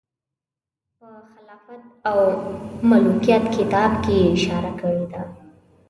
په خلافت او ملوکیت کتاب کې یې اشاره کړې ده.